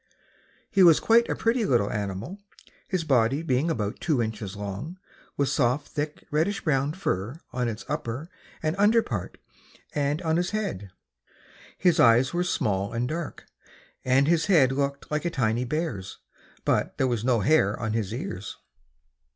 He was quite a pretty little animal, his body being about two inches long, with soft, thick, reddish brown fur on its upper and under part and on his head. His eyes were small and dark, and his head looked like a tiny bear's, but there was no hair on his ears.